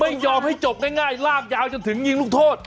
ไม่ยอมให้จบง่ายลากยาวจนถึงยิงลูกโทษ